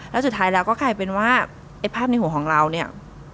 แล้วสุดท้ายแล้วก็กลายเป็นว่าไอ้ภาพในหัวของเราเนี่ย